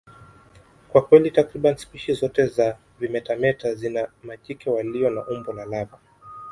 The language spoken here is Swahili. Kwa kweli, takriban spishi zote za vimetameta zina majike walio na umbo la lava.